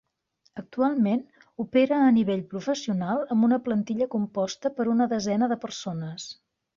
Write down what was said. Actualment opera a nivell professional amb una plantilla composta per una desena de persones.